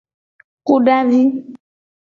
Kudavi.